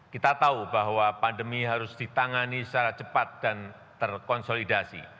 kita tahu bahwa pandemi harus ditangani secara cepat dan terkonsolidasi